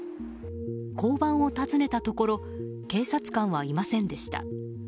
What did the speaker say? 交番を訪ねたところ警察官はいませんでした。